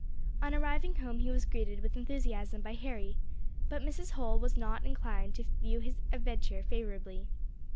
On arriving home he was greeted with enthusiasm by Harry, but Mrs. Holl was not inclined to view his adventure favourably.